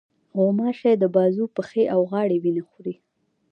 غوماشې د بازو، پښې، او غاړې وینه خوري.